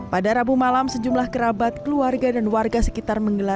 pada rabu malam sejumlah kerabat keluarga dan warga sekitar menggelar